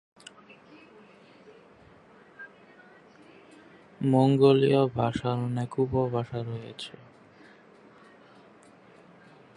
মঙ্গোলিয় ভাষার অনেক উপভাষা রয়েছে।